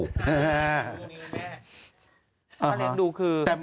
ค่าเลี้ยงดูคือ